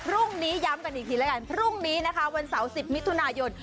พรุ่งนี้ย้ำกันอีกทีแล้วกันพรุ่งนี้นะคะวันเสาร์๑๐มิถุนายน